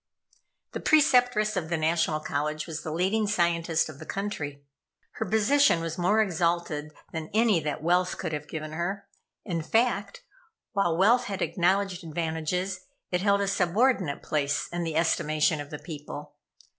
The Preceptress of the National College was the leading scientist of the country. Her position was more exalted than any that wealth could have given her. In fact, while wealth had acknowledged advantages, it held a subordinate place in the estimation of the people.